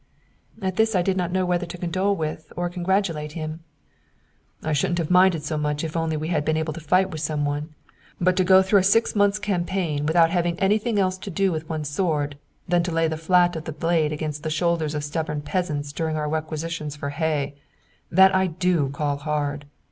At this I did not know whether to condole with or congratulate him. "I shouldn't have minded so much if only we had been able to fight with some one; but to go through a six months' campaign without having anything else to do with one's sword than lay the flat of the blade about the shoulders of stubborn peasants during our requisitions for hay, that I do call hard.